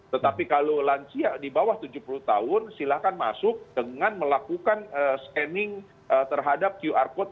tetapi kalau lansia di bawah tujuh puluh tahun silahkan masuk dengan melakukan scanning terhadap qr code